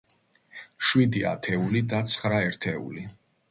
შვიდი ათეული და ცხრა ერთეული.